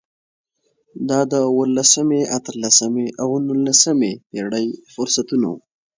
دا د اولسمې، اتلسمې او نولسمې پېړیو فرصتونه وو.